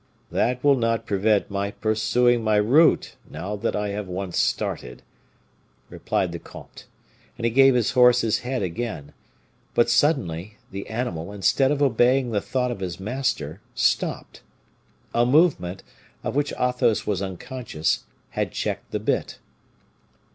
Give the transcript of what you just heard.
"That will not prevent my pursuing my route, now I have once started," replied the comte. And he gave his horse his head again. But suddenly, the animal, instead of obeying the thought of his master, stopped. A movement, of which Athos was unconscious, had checked the bit.